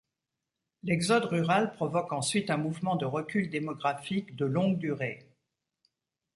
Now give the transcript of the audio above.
L’exode rural provoque ensuite un mouvement de recul démographique de longue durée.